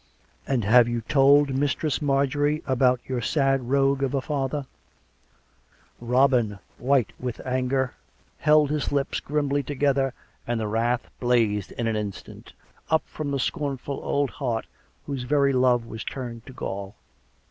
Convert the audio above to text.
" And have you told Mistress Marjorie about your sad rogue of a father ?" Robin, white with anger, held his lips grimly together and the wrath blazed in an instant up from the scornful old heart, whose very love was turned to gall.